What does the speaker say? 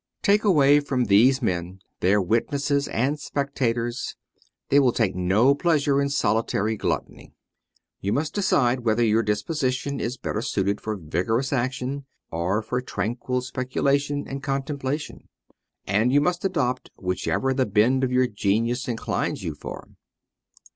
Take away from these men their witnesses and spectators : they will take no pleasure in solitary gluttony. You must decide whether your disposition is better suited for vigorous action or for tranquil speculation and contemplation, and you must adopt whichever the bent of your genius inclines you for.